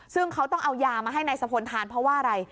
ซึ่งเขาต้องเอายามาให้นายสะพลทานเพราะว่าอะไร